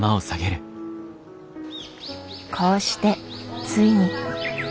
こうしてついに。